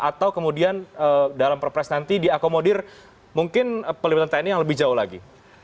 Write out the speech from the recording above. atau kemudian dalam perpres nanti diakomodir mungkin pelibatan tni yang lebih jauh lagi